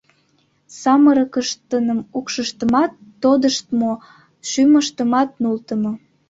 Самырыкыштыным укшыштымат тодыштмо, шӱмыштымат нултымо.